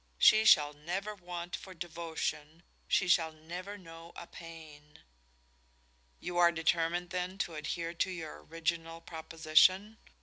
"She shall never want for devotion, she shall never know a pain." "You are determined, then, to adhere to your original proposition?"